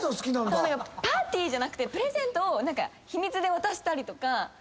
パーティーじゃなくてプレゼントを秘密で渡したりとか。